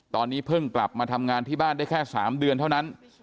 ตอนนี้เพิ่งกลับมาทำงานที่บ้านได้แค่๓เดือนเท่านั้น